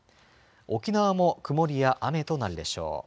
沖縄も曇りや雨となるでしょう。